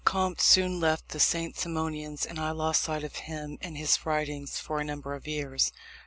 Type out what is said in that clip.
Comte soon left the St. Simonians, and I lost sight of him and his writings for a number of years.